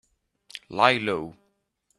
Lie low